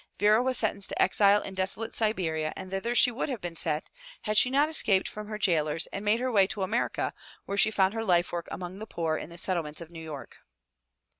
Vera was sentenced to exile in desolate Siberia and thither she would have been sent had she not escaped from her gaolers and made her way to America where she found her life work among the poor in the Settlements of New York.